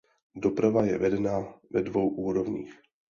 Doprava je vedena ve dvou úrovních.